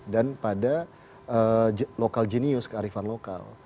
dan pada lokal genius kearifan lokal